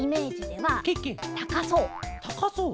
たかそう？